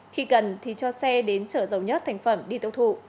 khi cần thì cho xe đến chợ dầu nhất thành phẩm đi tốc thụ